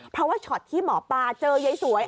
เพราะว่าช็อตที่หมอปลาเจอยายสวย